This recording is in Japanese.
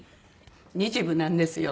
日舞なんですよ。